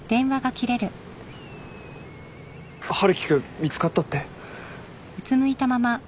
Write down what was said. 春樹君見つかったって？